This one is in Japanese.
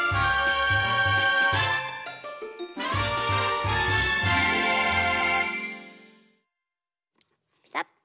ペタッと。